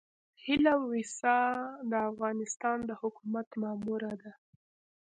هيله ويسا د افغانستان د حکومت ماموره ده.